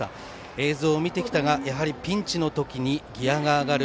映像を見てきたがやはりピンチの時にギヤが上がる。